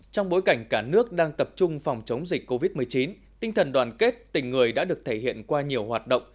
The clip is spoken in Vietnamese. trong bối cảnh cả nước đang tập trung phòng chống dịch covid một mươi chín tinh thần đoàn kết tình người đã được thể hiện qua nhiều hoạt động